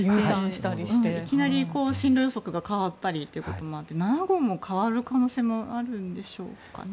いきなり進路予測が変わったりということもあって７号も変わる可能性もあるんでしょうかね？